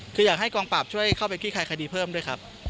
คืออยากให้กองปราบช่วยเข้าไปคลี่คลายคดีเพิ่มด้วยครับ